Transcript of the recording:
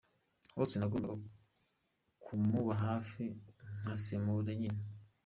hose nagombaga ku muba hafi ngasemura nyine !